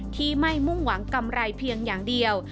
ที่ไม่มุ่งหวังกำไรเพียงอย่างเดียว